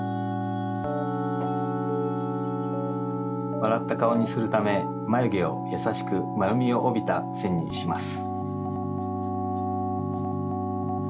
わらった顔にするためまゆげをやさしくまるみをおびたせんにします。